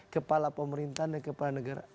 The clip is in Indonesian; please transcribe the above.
kepala pemerintahan dan kepala negara